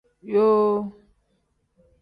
Yoo.